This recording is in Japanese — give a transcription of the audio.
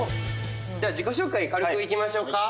では自己紹介軽くいきましょうか。